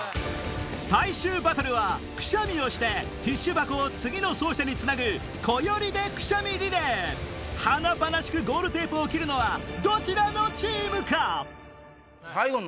最終バトルはくしゃみをしてティッシュ箱を次の走者につなぐ華々しくゴールテープを切るのはどちらのチームか？